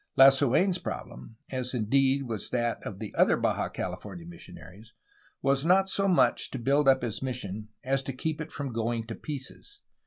Lasu^n's problem, as indeed was that of the other Baja California missionaries, was not so much to build up his mission as to keep it from going to pieces.